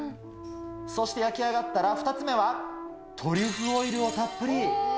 そして、焼き上がったら、２つ目は、トリュフオイルをたっぷり。